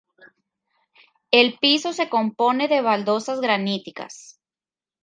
El piso se compone de baldosas graníticas.